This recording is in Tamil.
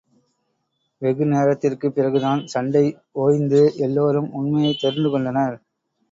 வெகு நேரத்திற்குப் பிறகுதான், சண்டை ஓய்ந்து எல்லோரும் உண்மையைத் தெரிந்துகொண்டனர்.